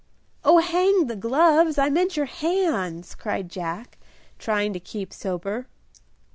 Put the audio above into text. "Oh, hang the gloves! I meant your hands," cried Jack, trying to keep sober.